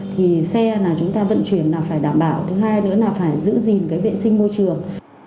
thì xe là chúng ta vận chuyển là phải đảm bảo thứ hai nữa là phải giữ gìn cái vệ sinh môi trường